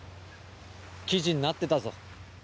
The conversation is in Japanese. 記事になってたぞ。